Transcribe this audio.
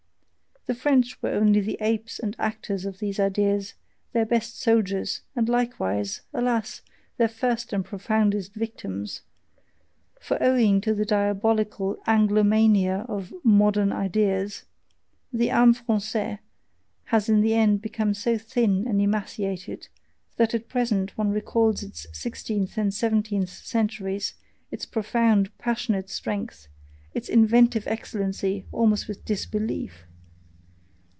The French were only the apes and actors of these ideas, their best soldiers, and likewise, alas! their first and profoundest VICTIMS; for owing to the diabolical Anglomania of "modern ideas," the AME FRANCAIS has in the end become so thin and emaciated, that at present one recalls its sixteenth and seventeenth centuries, its profound, passionate strength, its inventive excellency, almost with disbelief.